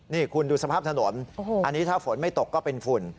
นี่คุณดูสภาพถนนอันนี้ถ้าฝนไม่ตกก็เป็นฝุ่น